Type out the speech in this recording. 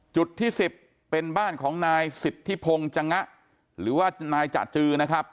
จุดที่๑๐เป็นบ้านของนายสิทธิพงศ์จงะหรือว่านายจะจือนะครับ